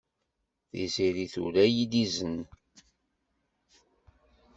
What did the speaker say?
Tiziri tura-iyi-d izen.